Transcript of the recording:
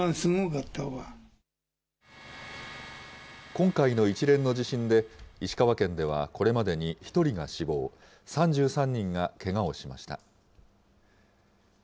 今回の一連の地震で、石川県ではこれまでに１人が死亡、３３人がけがをしました。